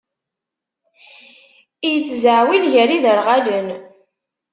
Ittzaɛwil gar iderɣalen.